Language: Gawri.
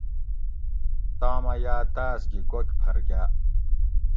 تام اۤ یاۤ تاۤس گی گوکھ پھر گاۤ